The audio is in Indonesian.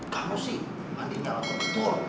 kamu sih mandi yang telah berbetul